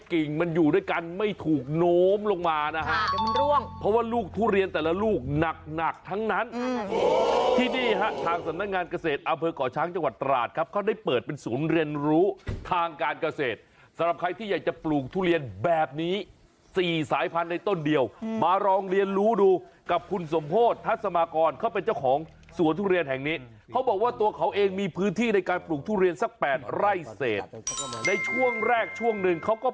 คงจะมันล่วงเพราะว่าลูกทุเรียนแต่ละลูกหนักทั้งนั้นที่นี่ทางสนักงานเกษตรอะเวอร์ก่อช้างจังหวัดตราชครับเขาได้เปิดเป็นศูนย์เรียนรู้ทางการเกษตรสำหรับใครที่อยากจะปลูกทุเรียนแบบนี้๔สายพันธุ์ในต้นเดียวมาลองเรียนรู้ดูกับคุณสมโภชทัศน์สมาร์กรเขาเป็นเจ้